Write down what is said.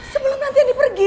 sebelum nanti andi pergi